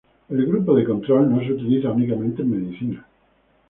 El grupo de control no se utiliza únicamente en medicina.